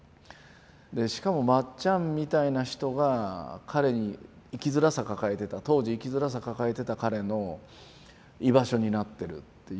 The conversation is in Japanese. しかもまっちゃんみたいな人が彼に生きづらさ抱えてた当時生きづらさ抱えてた彼の居場所になってるっていうのをね